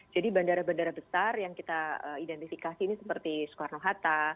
jadi bandara bandara besar yang kita identifikasi ini seperti soekarno hatta